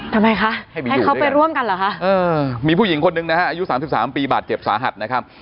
ทำไมคะให้เขาไปร่วมกันเหรอคะมีผู้หญิงคนหนึ่งนะฮะอายุ๓๓ปีบาดเจ็บสาหัสนะครับ